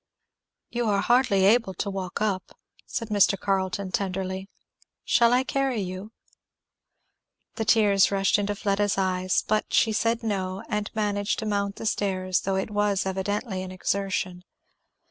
"You are hardly able to walk up," said Mr. Carleton tenderly. "Shall I carry you?" The tears rushed to Fleda's eyes, but she said no, and managed to mount the stairs, though it was evidently an exertion.